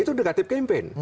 itu negatif campaign